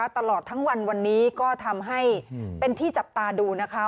ตลอดทั้งวันวันนี้ก็ทำให้เป็นที่จับตาดูนะคะ